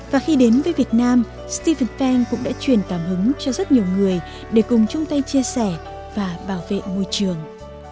và khi đến với việt nam stephen fang cũng đã truyền cảm hứng cho rất nhiều người để cùng chung tay chia sẻ và bảo vệ môi trường